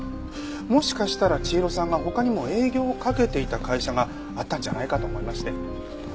もしかしたら千尋さんが他にも営業をかけていた会社があったんじゃないかと思いまして。